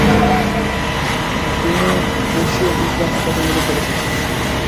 তিনি প্রুশীয় বিজ্ঞান একাডেমিরও সদস্য ছিলেন।